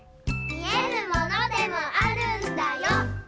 「見えぬものでもあるんだよ」